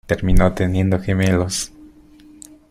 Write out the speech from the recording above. Terminó teniendo gemelos.